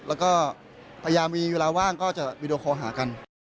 แล้วก็พยายามมีเวลาว่างก็จะวีดีโอคอลหากัน